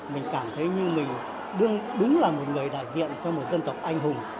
mình cảm thấy như mình đúng là một người đại diện cho một dân tộc anh hùng